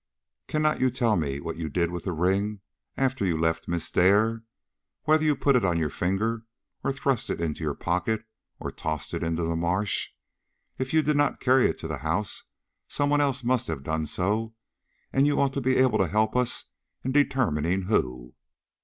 "Cannot you tell me what you did with the ring after you left Miss Dare? Whether you put it on your finger, or thrust it into your pocket, or tossed it into the marsh? If you did not carry it to the house, some one else must have done so, and you ought to be able to help us in determining who."